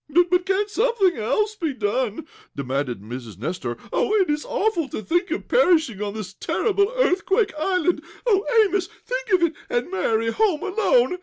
"But can't something else be done?" demanded Mrs. Nestor. "Oh, it is awful to think of perishing on this terrible earthquake island. Oh, Amos! Think of it, and Mary home alone!